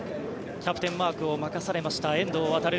キャプテンマークを任されました遠藤航。